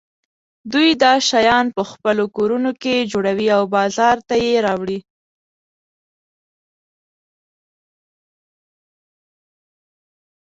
دوی دا شیان په خپلو کورونو کې جوړوي او بازار ته یې راوړي.